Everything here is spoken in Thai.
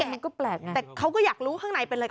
ไม่ต้องแกะแต่เขาก็อยากรู้ข้างในเป็นอะไร